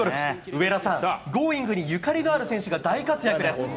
上田さん、Ｇｏｉｎｇ！にゆかりのある選手が大活躍です。